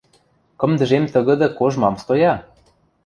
Кым тӹжем тыгыды кож мам стоя?